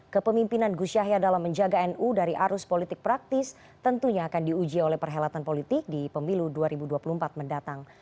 kepemimpinan gus yahya dalam menjaga nu dari arus politik praktis tentunya akan diuji oleh perhelatan politik di pemilu dua ribu dua puluh empat mendatang